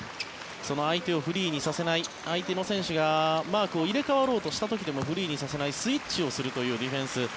その相手をフリーにさせない相手の選手がマークを入れ替わろうとした時でもフリーにさせないスイッチをするというディフェンス。